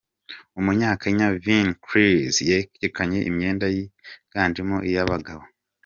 Umunyakenya Vinn Clizz yerekanye imyenda yiganjemo iy’abagabo.